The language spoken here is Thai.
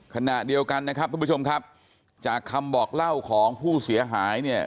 ขณะเดียวกันนะครับทุกผู้ชมครับจากคำบอกเล่าของผู้เสียหายเนี่ย